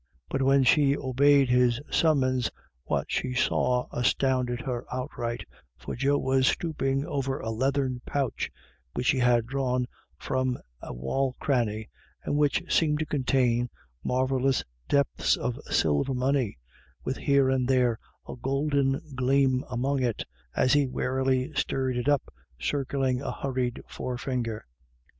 But when she obeyed his summons, what she saw astounded her outright, for Joe was stoop ing over a leathern pouch, which he had drawn from a wall cranny, and which seemed to contain marvellous depths of silver money, with here and there a golden gleam among it, as he warily stirred it up, circling a hurried forefinger.